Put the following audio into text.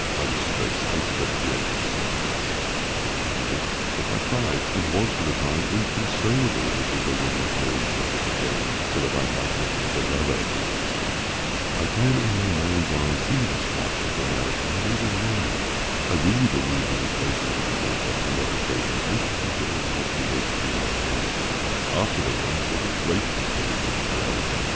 I was so excited at the great "splash" which was made, that I cried, and was for a time inconsolable, because they would not launch the ship again, so that I might witness another great "splash." I can, in my mind's eye, see "the splash" of the Mary Ellen even now. I really believe the displacement of the water on that occasion opened the doors of observation in my mind. After the launch there was great festivity and hilarity.